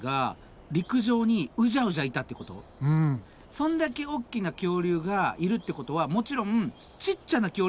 そんだけ大きな恐竜がいるってことはもちろんちっちゃな恐竜もいるってこと？